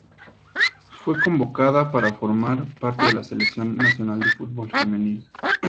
Fue convocada para formar parte de la Selección Nacional de Fútbol femenil.